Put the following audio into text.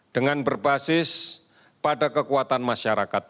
dengan berbasis pada kekuatan masyarakat